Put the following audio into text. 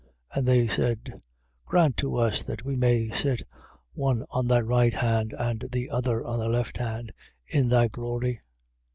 10:37. And they said: Grant to us that we may sit, one on thy right hand and the other on thy left hand, in thy glory.